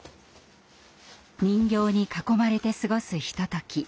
人形に囲まれて過ごすひととき。